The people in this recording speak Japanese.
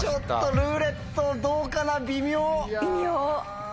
「ルーレット」どうかな微妙。